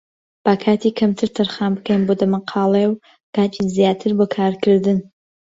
با کاتی کەمتر تەرخان بکەین بۆ دەمەقاڵێ و کاتی زیاتر بۆ کارکردن.